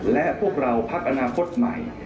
และพวกเราพักอนาคตใหม่